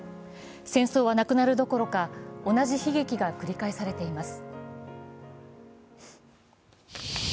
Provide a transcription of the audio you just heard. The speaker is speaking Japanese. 戦争はなくなるどころか同じ悲劇が繰り返されています。